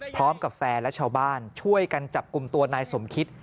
พร้อมกับแฟนและชาวบ้านช่วยกันจับกลุ่มตัวนายสมคิต